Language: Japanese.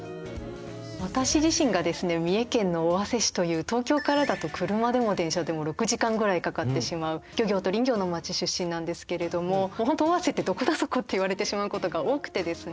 私自身がですね三重県の尾鷲市という東京からだと車でも電車でも６時間ぐらいかかってしまう漁業と林業の町出身なんですけれども本当尾鷲って「どこだそこ」って言われてしまうことが多くてですね。